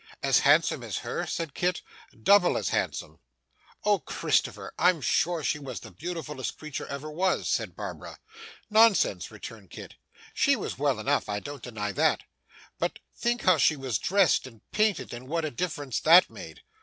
'As handsome as her?' said Kit. 'Double as handsome.' 'Oh Christopher! I'm sure she was the beautifullest creature ever was,' said Barbara. 'Nonsense!' returned Kit. 'She was well enough, I don't deny that; but think how she was dressed and painted, and what a difference that made.